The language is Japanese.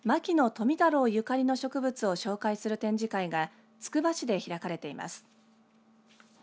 富太郎ゆかりの植物を紹介する展示会がつくば市で開かれています。